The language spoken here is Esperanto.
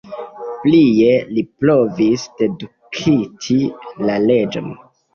Plie li provis dedukti la leĝon.